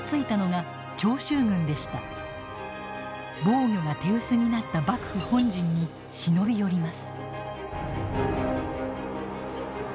防御が手薄になった幕府本陣に忍び寄ります。